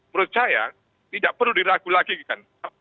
menurut saya tidak perlu diragukan lagi